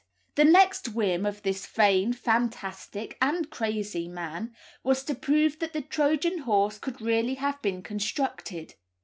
The next whim of this vain, fantastic, and crazy man, was to prove that the Trojan Horse could really have been constructed.